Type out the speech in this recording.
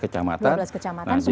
dua belas kecamatan semuanya ada